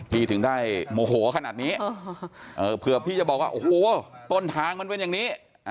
ถึงได้โมโหขนาดนี้เผื่อพี่จะบอกว่าโอ้โหต้นทางมันเป็นอย่างนี้